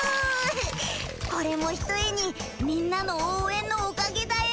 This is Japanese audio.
これもひとえにみんなの応援のおかげだよ。